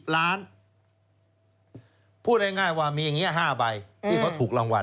พูดง่ายว่ามีอย่างนี้๕ใบที่เขาถูกรางวัล